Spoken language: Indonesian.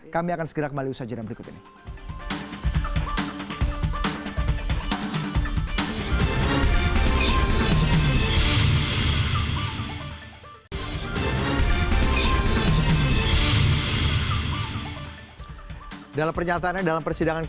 kami akan segera kembali usaha jadwal berikut ini